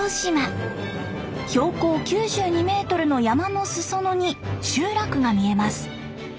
標高９２メートルの山の裾野に集落が見えます。